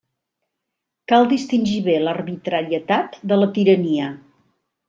Cal distingir bé l'arbitrarietat de la tirania.